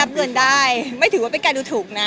รับเงินได้ไม่ถือว่าเป้นการดูถูกนะ